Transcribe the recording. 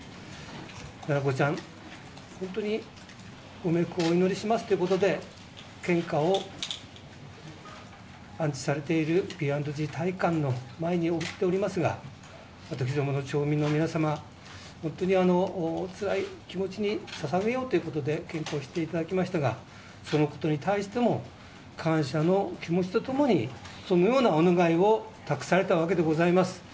七菜子ちゃん、本当にご冥福をお祈りしますということで献花を安置されている体育館の前に置いておりますが町民の皆様、本当につらい気持ちにささげようと献花をしていただきましたがそのことに対しても感謝の気持ちとともにそのようなお願いを託されたわけでございます。